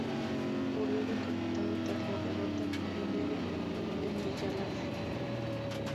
Murió decapitado tras la derrota comunera en Villalar.